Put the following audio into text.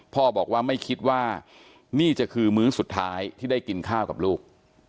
พ่อบอกว่าไม่คิดว่านี่จะคือมื้อสุดท้ายที่ได้กินข้าวกับลูก